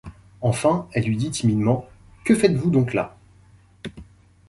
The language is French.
Enfin elle lui dit timidement: — Que faites-vous donc là?